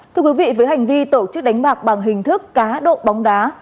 thưa quý vị với hành vi tổ chức đánh bạc bằng hình thức cá độ bóng đá